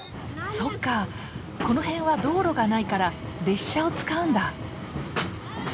そっかこの辺は道路がないから列車を使うんだ。